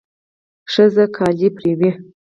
ښځه جامې مینځي.